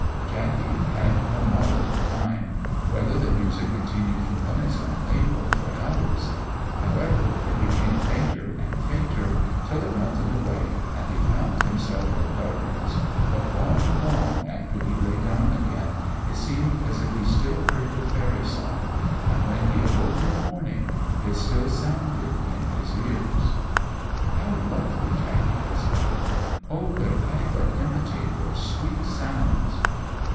Jackey had no knowledge of time, whether the music continued for minutes only or for hours; however, it became fainter and fainter till it melted away, and he found himself in darkness; but long, long after he lay down again it seemed as if he still heard the fairy song, and when he awoke in the morning it still sounded in his ears. [Illustration: The Sight Jackey saw.] "How lovely!" Jackey exclaimed; "oh, could I but imitate those sweet sounds!"